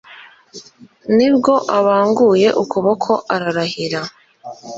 ni bwo abanguye ukuboko ararahira